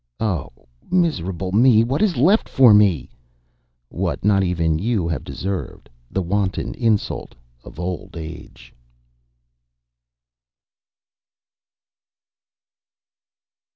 "Oh, miserable me! What is left for me?" "What not even you have deserved: the wanton insult of Old Age."